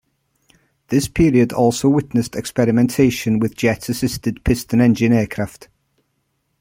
This period also witnessed experimentation with jet-assisted piston engine aircraft.